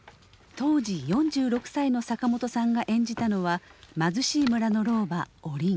当時４６歳の坂本さんが演じたのは貧しい村の老婆おりん。